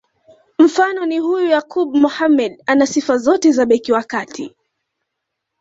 Mfano ni huyu Yakub Mohamed ana sifa zote za beki wa kati